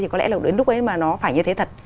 có lẽ đến lúc ấy mà nó phải như thế thật